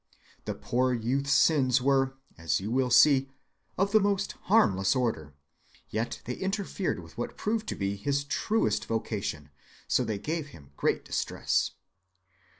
The poor youth's sins were, as you will see, of the most harmless order, yet they interfered with what proved to be his truest vocation, so they gave him great distress.